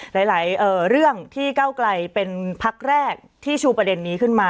หลายเรื่องที่เก้าไกลเป็นพักแรกที่ชูประเด็นนี้ขึ้นมา